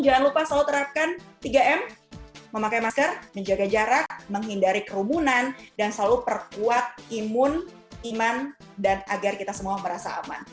jangan lupa selalu terapkan tiga m memakai masker menjaga jarak menghindari kerumunan dan selalu perkuat imun iman dan agar kita semua merasa aman